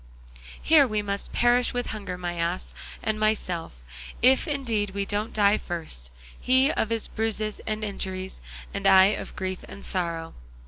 Here must we perish with hunger, my ass and myself, if indeed we don't die first, he of his bruises and injuries, and I of grief and sorrow.